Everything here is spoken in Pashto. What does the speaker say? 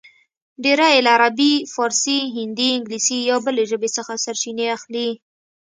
ډېر یې له عربي، فارسي، هندي، انګلیسي یا بلې ژبې څخه سرچینې اخلي